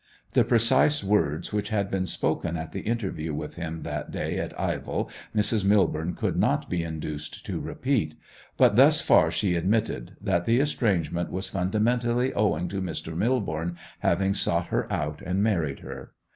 The precise words which had been spoken at the interview with him that day at Ivell Mrs. Millborne could not be induced to repeat; but thus far she admitted, that the estrangement was fundamentally owing to Mr. Millborne having sought her out and married her.